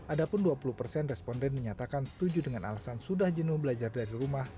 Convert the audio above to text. ada pun dua puluh persen responden menyatakan setuju dengan alasan sudah jenuh belajar dari rumah